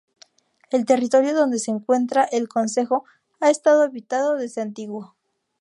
El territorio donde se encuentra el concejo ha estado habitado desde antiguo.